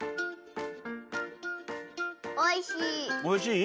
おいしい。